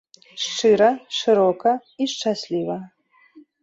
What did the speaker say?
Шчыра, шырока і шчасліва.